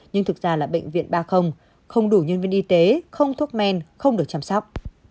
nhưng thực ra là bệnh viện ba không đủ nhân viên y tế không thuốc men không được chăm sóc